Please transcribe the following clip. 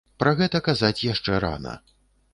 Пра гэта казаць яшчэ рана.